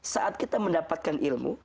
saat kita mendapatkan ilmu